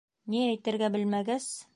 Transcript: Ни әйтергә белмәгәс: